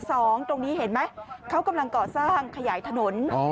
ตรงนี้เห็นไหมเขากำลังก่อสร้างขยายถนน